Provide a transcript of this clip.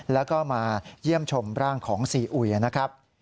แล้วก็มาเยี่ยมชมร่างของซีอุยนะครับ